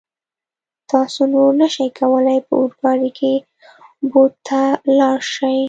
تاسو نور نشئ کولای په اورګاډي کې بو ته لاړ شئ.